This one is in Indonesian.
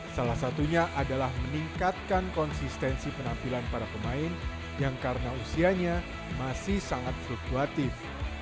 salah satunya adalah meningkatkan konsistensi penampilan para pemain yang karena usianya masih sangat fluktuatif